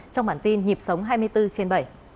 trong bản tin nhịp sống hai mươi bốn trên bảy